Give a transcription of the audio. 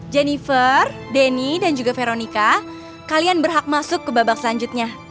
jennifer denny dan juga veronica kalian berhak masuk ke babak selanjutnya